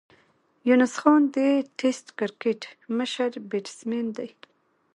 یونس خان د ټېسټ کرکټ مشر بېټسمېن دئ.